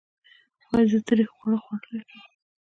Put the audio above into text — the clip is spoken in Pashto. ایا زه تریخ خواړه خوړلی شم؟